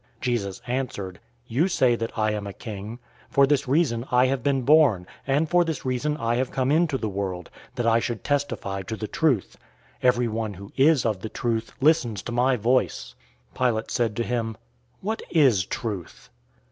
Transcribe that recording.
Jesus answered, "You say that I am a king. For this reason I have been born, and for this reason I have come into the world, that I should testify to the truth. Everyone who is of the truth listens to my voice." 018:038 Pilate said to him, "What is truth?"